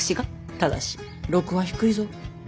ただし禄は低いぞ。